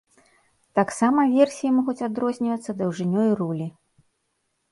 Таксама версіі могуць адрознівацца даўжынёй рулі.